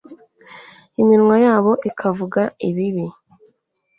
iminwa yabo ikavuga ibibi